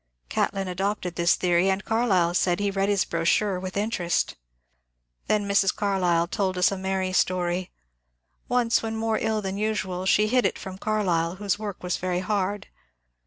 Catlin adopted this theory, and Carlyle said he read his brochure with inter est. Then Mrs. Carlyle told us a merry story. Once, when more ill than usual, she hid it from Carlyle, whose work was very hard.